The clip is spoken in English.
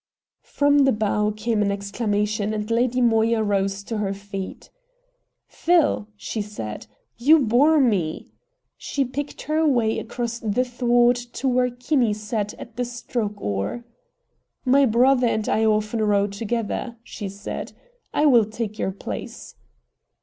From the bow came an exclamation, and Lady Moya rose to her feet. "Phil!" she said, "you bore me!" She picked her way across the thwart to where Kinney sat at the stroke oar. "My brother and I often row together," she said; "I will take your place."